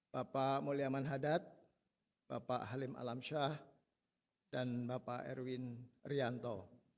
bapak mulyaman hadad bapak halim alamsyah dan bapak erwin rianto